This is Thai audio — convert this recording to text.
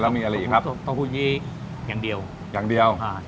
แล้วมีอะไรอีกครับโต๊ะฮูยีอย่างเดียวอย่างเดียวอ่า